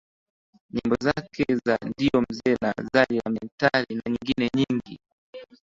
Nyimbo zake za ndiyo mzee na zali la mentali na nyingine nyingi